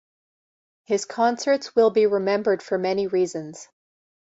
His concerts will be remembered for many reasons.